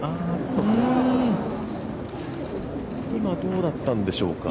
今どうだったんでしょうか？